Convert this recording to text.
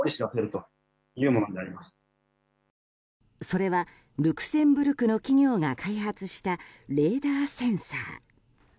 それはルクセンブルクの企業が開発したレーダーセンサー。